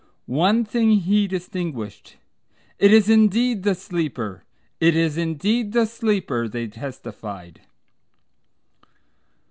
One thing he distinguished: "It is indeed the Sleeper. It is indeed the Sleeper," they testified.